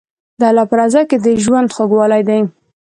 د الله په رضا کې د ژوند خوږوالی دی.